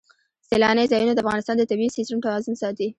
سیلانی ځایونه د افغانستان د طبعي سیسټم توازن ساتي.